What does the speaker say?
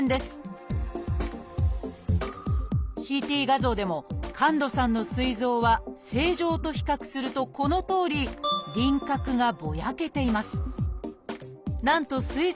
ＣＴ画像でも神門さんのすい臓は正常と比較するとこのとおり輪郭がぼやけています。